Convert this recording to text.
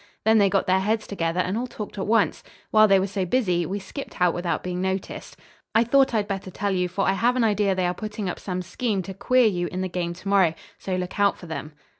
Then they got their heads together and all talked at once. While they were so busy we skipped out without being noticed. I thought I'd better tell you, for I have an idea they are putting up some scheme to queer you in the game to morrow; so look out for them."